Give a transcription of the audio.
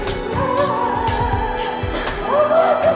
aku tidak mau